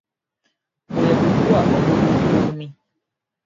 Bwe butwa obuluukuumi.